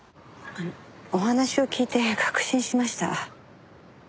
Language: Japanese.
お話を聞いて確信しました。